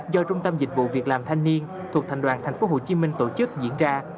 do trung tâm dịch vụ việc làm thanh niên thuộc thành đoàn thành phố hồ chí minh tổ chức diễn ra